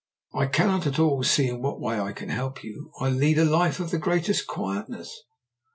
"I cannot at all see in what way I can help you. I lead a life of the greatest quietness."